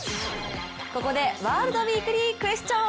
ここでワールドウィークリークエスチョン。